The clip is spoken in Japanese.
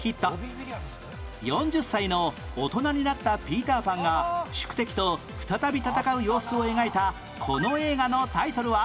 ４０歳の大人になったピーターパンが宿敵と再び戦う様子を描いたこの映画のタイトルは？